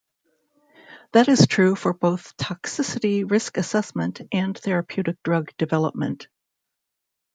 That is true for both toxicity risk assessment and therapeutic drug development.